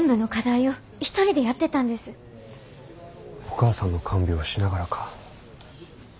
お母さんの看病をしながらか。